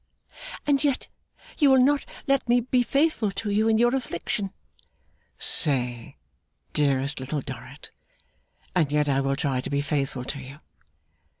'And yet you will not let me be faithful to you in your affliction?' 'Say, dearest Little Dorrit, and yet I will try to be faithful to you.